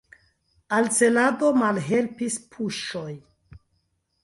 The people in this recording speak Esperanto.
Al celado malhelpis puŝoj.